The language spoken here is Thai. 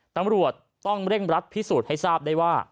ตำรวจต้องเร่งรัดพิสูจน์ให้ทราบได้ว่า